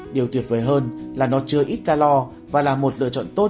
điều tuyệt vời hơn là nó chưa ít calor và là một lựa chọn tốt